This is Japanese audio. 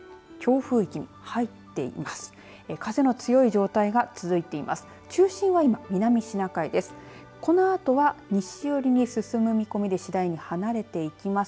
風の強い状態が続いています。